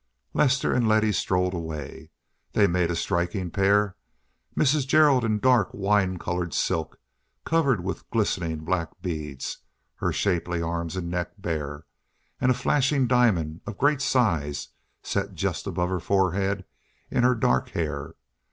Lester and Letty strolled away. They made a striking pair—Mrs. Gerald in dark wine colored silk, covered with glistening black beads, her shapely arms and neck bare, and a flashing diamond of great size set just above her forehead in her dark hair.